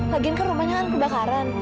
lagiin kan rumahnya kan kebakaran